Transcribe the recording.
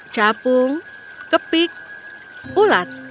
capung kepik ulat